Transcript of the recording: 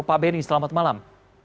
pak beni selamat malam